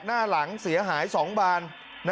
หน้าหลังเสียหาย๒บาน